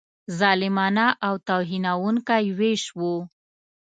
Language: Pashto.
ظالمانه او توهینونکی وېش وو.